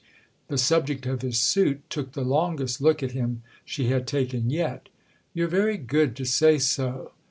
The subject of his suit took the longest look at him she had taken yet. "You're very good to say so!"